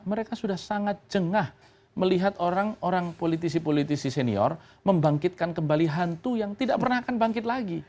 mereka sudah sangat jengah melihat orang orang politisi politisi senior membangkitkan kembali hantu yang tidak pernah akan bangkit lagi